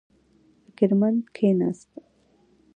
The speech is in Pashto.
فکر مند کېناست.